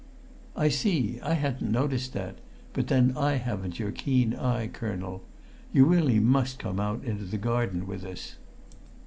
"I see. I hadn't noticed that; but then I haven't your keen eye, colonel. You really must come out into the garden with us."